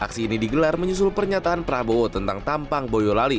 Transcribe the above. aksi ini digelar menyusul pernyataan prabowo tentang tampang boyolali